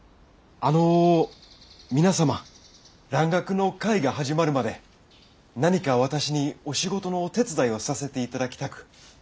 あの皆様蘭学の会が始まるまで何か私にお仕事のお手伝いをさせて頂きたく。